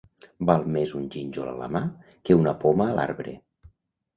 Val més un gínjol a la mà que una poma a l'arbre.